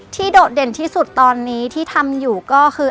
โดดเด่นที่สุดตอนนี้ที่ทำอยู่ก็คือ